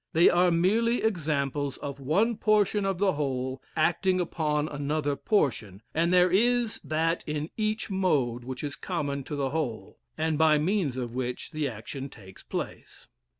They are merely examples of one portion of the whole acting upon another portion, and there is that in each mode which is common to the whole, and by means of which the action takes place.